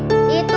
bu ngertek apa bu